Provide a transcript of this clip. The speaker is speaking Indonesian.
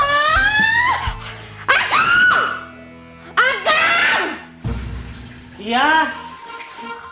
aku kasih grande pilgrim ugisan